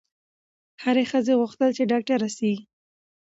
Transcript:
هري ښځي غوښتل چي ډاکټره سي